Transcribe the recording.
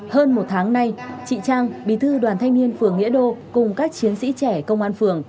hơn một tháng nay chị trang bí thư đoàn thanh niên phường nghĩa đô cùng các chiến sĩ trẻ công an phường